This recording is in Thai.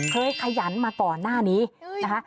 เคยขยันมาต่อหน้านี้นะคะ